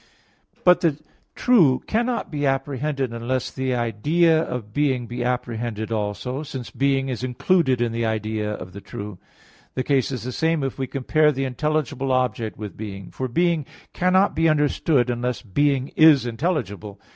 But the true cannot be apprehended unless the idea of being be apprehended also; since being is included in the idea of the true. The case is the same if we compare the intelligible object with being. For being cannot be understood, unless being is intelligible.